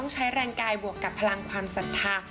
ใช้แรงกายบวกกับพลังความศรัทธา